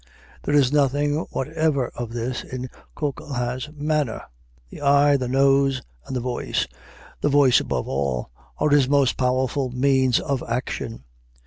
There is nothing whatever of this in Coquelin's manner. The eye, the nose, and the voice the voice above all are his most powerful means of action.